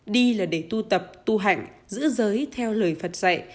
đi là để tu tập tu hạnh giữ giới theo lời phật dạy